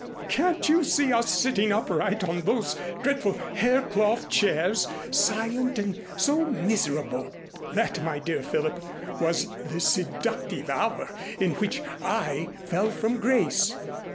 Can't you see us sitting upright on those dreadful hair cloth chairs, silent and so miserable? That, my dear Philip, was the seductive hour in which I fell from grace.